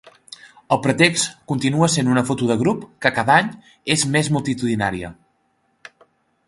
El pretext continua sent una foto de grup que cada any és més multitudinària.